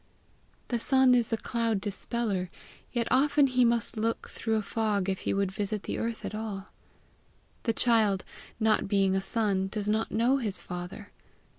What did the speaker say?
The sun is the cloud dispeller, yet often he must look through a fog if he would visit the earth at all. The child, not being a son, does not know his father.